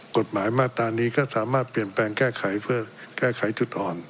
กฎหมายมาตรานี้ก็สามารถเปลี่ยนแปลงแก้ไขเพื่อแก้ไขจุดอ่อน